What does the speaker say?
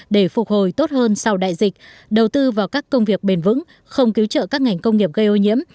để phục hồi tốt hơn sau đại dịch đầu tư vào các công việc bền vững không cứu trợ các ngành công nghiệp gây ô nhiễm